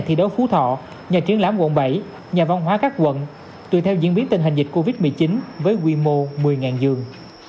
truyền thọ nhà triển lãm quận bảy nhà văn hóa các quận tùy theo diễn biến tình hình dịch covid một mươi chín với quy mô một mươi giường